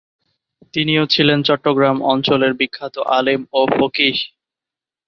তিনিও ছিলেন চট্টগ্রাম অঞ্চলের বিখ্যাত আলেম ও ফকিহ।